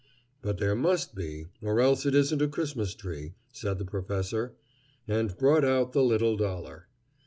"But there must be, or else it isn't a real Christmas tree," said the professor, and brought out the little dollar.